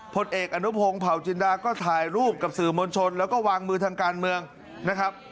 ผลเอกอนุพงศ์เผาจินดาก็ถ่ายรูปกับสื่อมวลชนแล้วก็วางมือทางการเมืองนะครับ